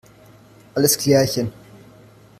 Alles klärchen!